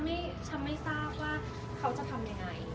ฉันไม่ทราบว่าเขาจะทำยังไง